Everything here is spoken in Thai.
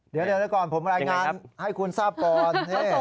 เดี๋ยวก่อนผมรายงานให้คุณทราบก่อน